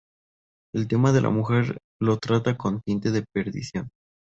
El tema de la mujer lo trata con tinte de perdición.